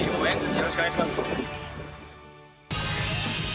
よろしくお願いします！